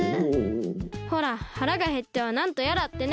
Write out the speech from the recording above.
ほらはらがへってはなんとやらってね。